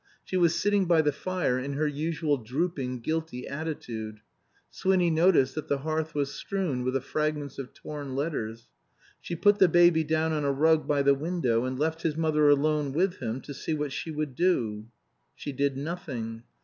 She was sitting by the fire in her usual drooping guilty attitude. Swinny noticed that the hearth was strewn with the fragments of torn letters. She put the baby down on a rug by the window, and left his mother alone with him to see what she would do. She did nothing.